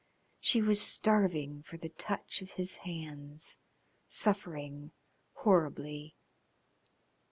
She was starving for the touch of his hands, suffering horribly.